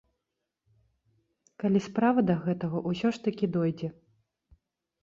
Калі справа да гэтага ўсё ж такі дойдзе.